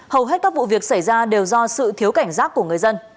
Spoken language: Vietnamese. hầu hết các vụ việc xảy ra đều do sự thiếu cảnh giác của người dân